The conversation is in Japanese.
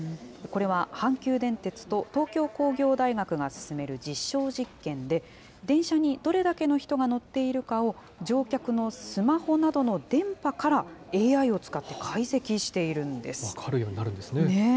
これは阪急電鉄と東京工業大学が進める実証実験で、電車にどれだけの人が乗っているかを、乗客のスマホなどの電波から、ＡＩを使って解析しているんです。